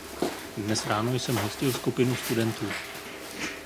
Dnes ráno jsem hostil skupinu studentů.